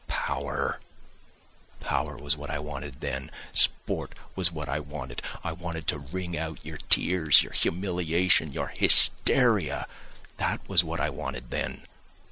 Power, power was what I wanted then, sport was what I wanted, I wanted to wring out your tears, your humiliation, your hysteria—that was what I wanted then!